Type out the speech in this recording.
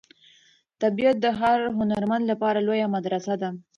طبیعت د هر هنرمند لپاره لویه مدرسه ده.